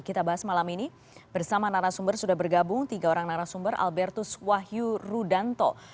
kita bahas malam ini bersama narasumber sudah bergabung tiga orang narasumber albertus wahyu rudanto